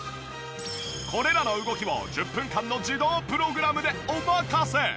これらの動きを１０分間の自動プログラムでお任せ。